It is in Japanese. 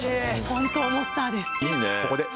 本当のスターです。